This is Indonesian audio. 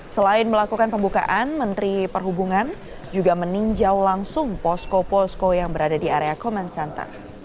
selain melakukan pembukaan menteri perhubungan juga meninjau langsung posko posko yang berada di area comment center